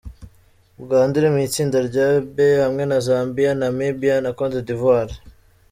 Uganda iri mu itsinda rya B hamwe na Zambia, Namibia na Côte d’Ivoire.